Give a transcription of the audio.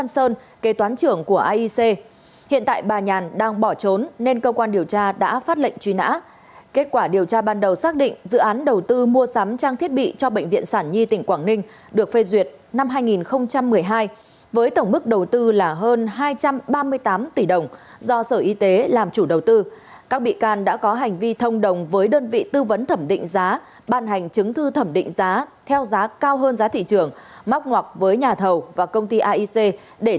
sơn kế toán trưởng của aic hiện tại bà nhàn đang bỏ trốn nên cơ quan điều tra đã phát lệnh truy nã kết quả điều tra ban đầu xác định dự án đầu tư mua sắm trang thiết bị cho bệnh viện sản nhi tỉnh quảng ninh được phê duyệt năm hai nghìn một mươi hai với tổng mức đầu tư là hơn hai trăm ba mươi tám tỷ đồng do sở y tế làm chủ đầu tư các bị can đã có hành vi thông đồng với đơn vị tư vấn thẩm định giá ban hành chứng thư thẩm định giá theo giá cao hơn giá thị trường móc ngọc với nhà thầu và công ty aic để